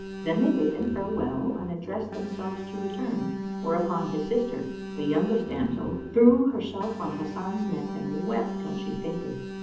Then they bade them farewell and addressed themselves to return; whereupon his sister, the youngest damsel, threw herself on Hasan's neck and wept till she fainted.